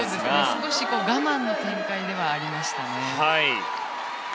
少し我慢の展開ではありましたね。